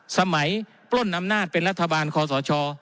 สมัยปล้นนำนาธิเป็นรัฐบาลคศช